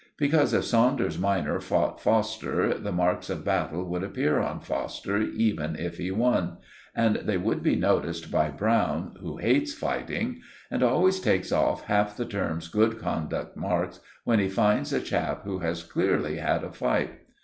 Because, if Saunders minor fought Foster, the marks of battle would appear on Foster, even if he won; and they would be noticed by Browne, who hates fighting, and always takes off half the term's good conduct marks when he finds a chap who has clearly had a fight.